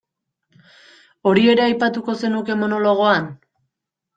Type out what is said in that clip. Hori ere aipatuko zenuke monologoan?